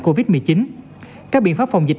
covid một mươi chín các biện pháp phòng dịch